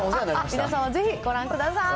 皆様、ぜひご覧ください。